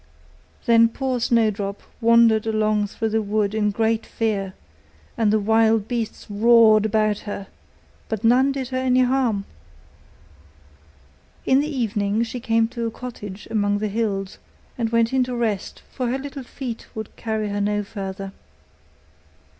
Then poor Snowdrop wandered along through the wood in great fear; and the wild beasts roared about her, but none did her any harm. In the evening she came to a cottage among the hills, and went in to rest, for her little feet would carry her no further.